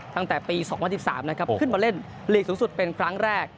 ตั้งแต่ปี๒๐๑๓นะครับขึ้นมาเล่นลีกสูงสุดเป็นครั้งแรก